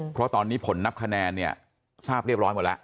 เพราะตอนนี้ผลนับคะแนนสาปเรียบร้อยกว่าแล้ว